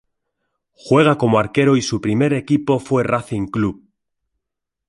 Juega como arquero y su primer equipo fue Racing Club.